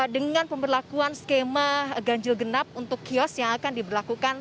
dengan pemberlakuan skema ganjil genap untuk kios yang akan diberlakukan